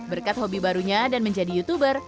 berkat hobi barunya dan menjadi youtuber